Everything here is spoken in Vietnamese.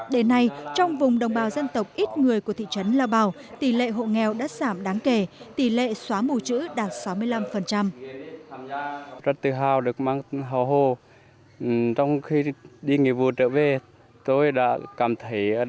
đến nay trong vùng đồng bào dân tộc ít người của thị trấn lao bảo tỷ lệ hộ nghèo đã giảm đáng kể tỷ lệ xóa mù chữ đạt sáu mươi năm